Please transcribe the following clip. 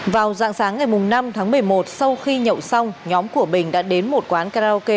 vào dạng sáng ngày năm tháng một mươi một sau khi nhậu xong nhóm của bình đã đến một quán karaoke